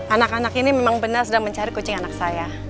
anak anak ini memang benar sedang mencari kucing anak saya